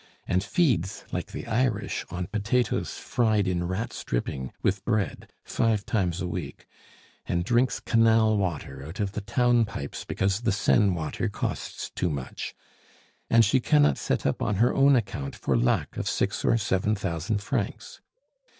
and feeds like the Irish, on potatoes fried in rats' dripping, with bread five times a week and drinks canal water out of the town pipes, because the Seine water costs too much; and she cannot set up on her own account for lack of six or seven thousand francs.